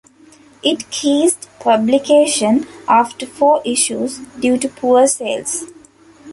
It ceased publication after four issues due to poor sales.